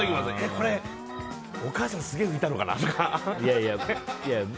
お母さんすげえ拭いたのかなとか。